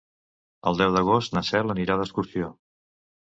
El deu d'agost na Cel anirà d'excursió.